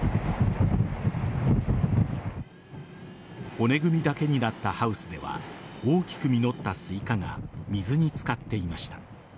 骨組みだけになったハウスでは大きく実ったスイカが水に漬かっていました。